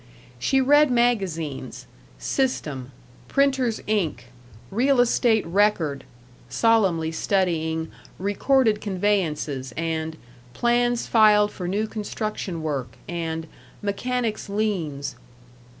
She read magazines System, Printer's Ink, Real Estate Record (solemnly studying "Recorded Conveyances," and "Plans Filed for New Construction Work," and "Mechanics' Liens").